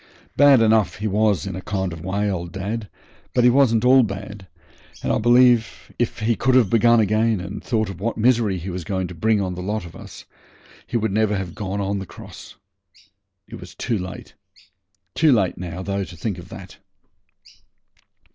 Bad enough he was in a kind of way, old dad, but he wasn't all bad, and I believe if he could have begun again and thought of what misery he was going to bring on the lot of us he would never have gone on the cross. It was too late, too late now, though, to think of that.